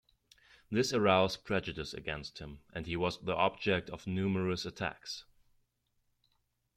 This aroused prejudice against him, and he was the object of numerous attacks.